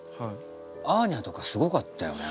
アーニャとかすごかったよね。